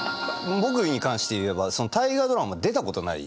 僕に関して言えば「大河ドラマ」出たことない。